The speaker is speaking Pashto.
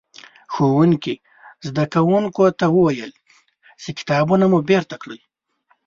ښوونکي؛ زدکوونکو ته وويل چې کتابونه مو بېرته کړئ.